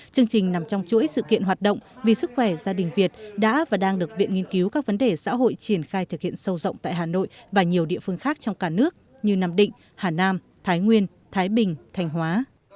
chương trình nằm trong chuỗi sự kiện hoạt động vì sức khỏe gia đình việt đã và đang được viện nghiên cứu các vấn đề xã hội triển khai thực hiện sâu rộng tại hà nội và nhiều địa phương khác trong cả nước như nam định hà nam thái nguyên thái bình thành hóa